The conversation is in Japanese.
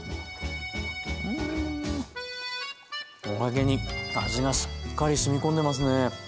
お揚げに味がしっかりしみ込んでますね。